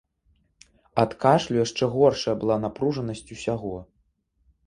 Ад кашлю яшчэ горшая была напружанасць усяго.